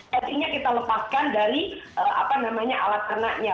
cacingnya kita lepaskan dari alat serna nya